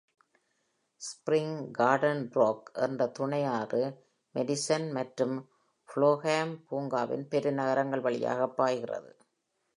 Spring Garden Brook என்ற துணை ஆறு Madison மற்றும் Florham பூங்காவின் பெருநகரங்கள் வழியாக பாய்கிறது.